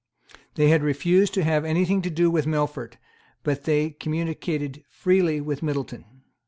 They had refused to have any thing to do with Melfort; but they communicated freely with Middleton.